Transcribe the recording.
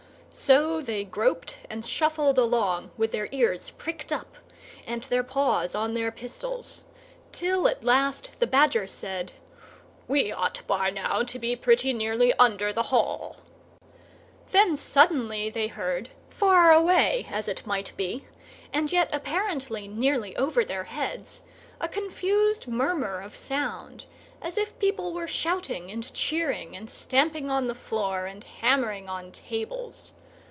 So they groped and shuffled along, with their ears pricked up and their paws on their pistols, till at last the Badger said, "We ought by now to be pretty nearly under the Hall." Then suddenly they heard, far away as it might be, and yet apparently nearly over their heads, a confused murmur of sound, as if people were shouting and cheering and stamping on the floor and hammering on tables.